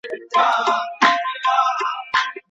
ولي هڅاند سړی د لوستي کس په پرتله ژر بریالی کېږي؟